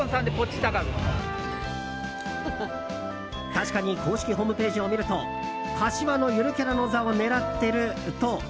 確かに公式ホームページを見ると柏のゆるキャラの座を狙っていると。